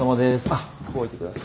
あっここ置いてください。